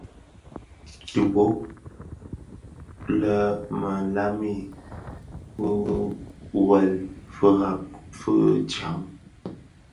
Dhi bō lè më lami wuèle firab fi djaň.